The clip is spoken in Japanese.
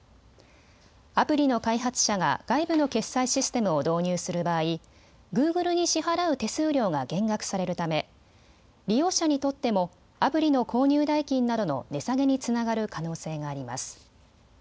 アプリの開発者が外部の決済システムを導入する場合、グーグルに支払う手数料が減額されるため利用者にとってもアプリの購入代金などの値下げにつながる可能性があります。